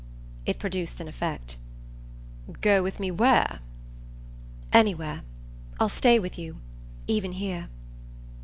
It produced an effect. "Go with me where?" "Anywhere. I'll stay with you. Even here."